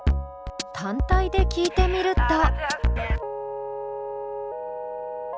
単体で聴いてみると。